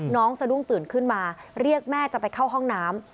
สะดุ้งตื่นขึ้นมาเรียกแม่จะไปเข้าห้องน้ำ